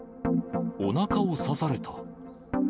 おなかを刺された。